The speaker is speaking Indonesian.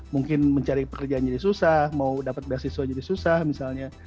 mungkin mencari pekerjaan jadi susah mau dapat beasiswa jadi susah misalnya